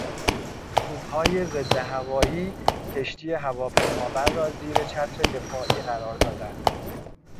توپهای ضدهوایی کشتی هواپیمابر را زیر چتر دفاعی قرار دادند.